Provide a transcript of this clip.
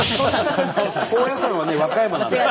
高野山はね和歌山なんだよ。